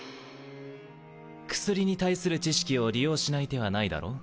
薬に対する知識を利用しない手はないだろ？